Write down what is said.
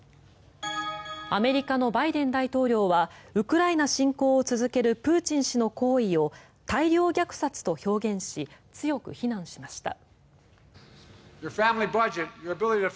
アメリカのバイデン大統領はウクライナ侵攻を続けるプーチン氏の行為を大量虐殺と表現し強く非難しました。